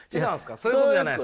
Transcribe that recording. そういうことじゃないんですか？